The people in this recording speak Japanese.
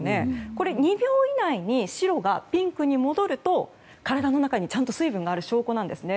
これ、２秒以内に白がピンクに戻ると体の中にちゃんと水分がある証拠なんですね。